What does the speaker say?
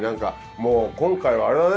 もう今回はあれだね